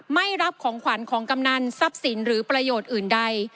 ไม่รับของขวัญของกำนันทรัพย์สินหรือประโยชน์อื่นใด